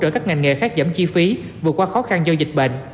để các ngành nghề khác giảm chi phí vượt qua khó khăn do dịch bệnh